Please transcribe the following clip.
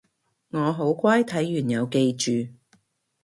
我好乖睇完有記住